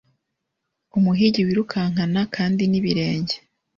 nkumuhigi wirukankana kandi nibirenge